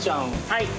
はい。